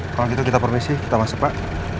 kalau gitu kita permisi kita masuk pak